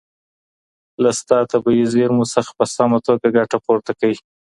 له شته طبیعي زیرمو څخه په سمه توګه ګټه پورته کړئ.